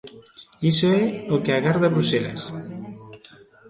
Iso é o que agarda Bruxelas.